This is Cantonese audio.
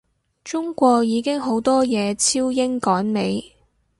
中國已經好多嘢超英趕美